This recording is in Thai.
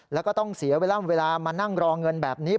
แล้วก็ต้องเสียเวลามานั่งรอเงินแบบนี้